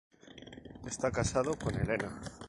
Está casado con elena.